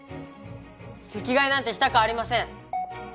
席替えなんてしたくありません！